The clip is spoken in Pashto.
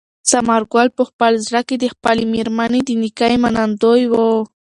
ثمر ګل په خپل زړه کې د خپلې مېرمنې د نېکۍ منندوی و.